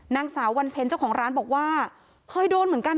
นางสาววันเพ็ญเจ้าของร้านบอกว่าเคยโดนเหมือนกัน